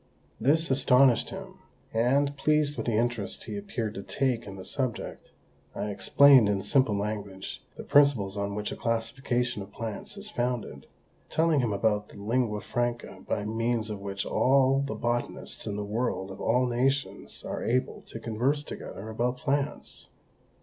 This astonished him; and, pleased with the interest he appeared to take in the subject, I explained, in simple language, the principles on which a classification of plants is founded, telling him about that lingua franca by means of which all the botanists in the world of all nations are able to converse together about plants.